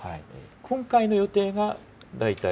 今回の予定が大体。